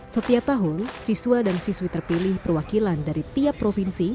setiap tahun siswa dan siswi terpilih perwakilan dari tiap provinsi